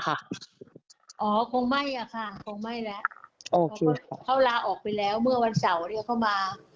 อ๋อคงไม่คงไม่แล้ว